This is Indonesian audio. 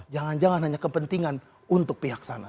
jangan jangan hanya kepentingan untuk pihak sana